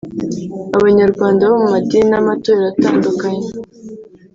Abanyarwanda bo mu madini n’amatorero atandukanye